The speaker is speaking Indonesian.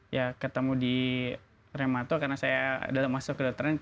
ya ketemu di remato karena saya masuk ke dokteran